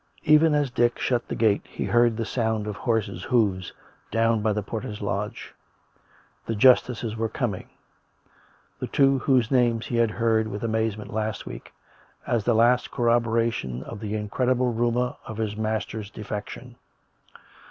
Even as Dick shut the gate he heard the sound of horses* hoofs down by the porter's lodge. The justices were com ing — the two whose names he had heard with amazement 90 COME RACK! COME ROPE! last week, as the last corroboration of the incredible rumour of his master's defection.